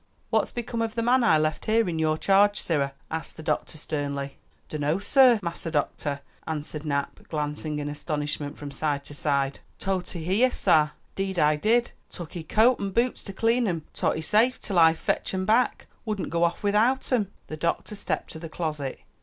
"What's become of the man I left here in your charge, sirrah?" asked the doctor sternly. "Dunno, sah, Massa Doctah," answered Nap, glancing in astonishment from side to side. "To't he heyah, sah; 'deed I did. Took he coat an' boots to clean 'em; to't he safe till I fotch 'em back; wouldn't go off without dem." The doctor stepped to the closet.